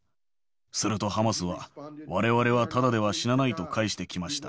すると、ハマスはわれわれはただでは死なないと返してきました。